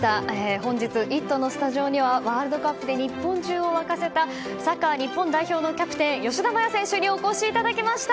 本日「イット！」のスタジオにはワールドカップで日本中を沸かせたサッカー日本代表のキャプテン吉田麻也選手にお越しいただきました。